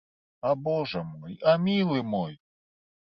А божа мой, а мілы мой!